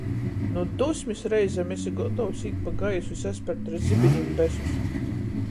Nu dusmis reizem esi gotovs īt pa gaisu i saspert ar zibinim besus.